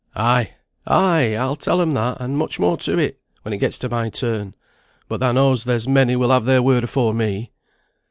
"Ay, ay! I'll tell 'em that, and much more to it, when it gets to my turn; but thou knows there's many will have their word afore me."